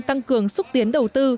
tăng cường xúc tiến đầu tư